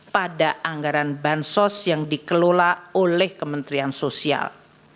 pada anggaran bansos yang dikelola oleh kementerian sosial